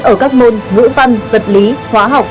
ở các môn ngữ văn vật lý hóa học